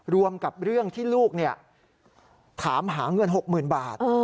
รวมกับเรื่องที่ลูกถามหาเงิน๖๐๐๐บาท